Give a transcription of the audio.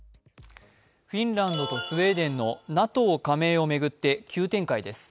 フィンランドとスウェーデンのＮＡＴＯ加盟を巡って急展開です。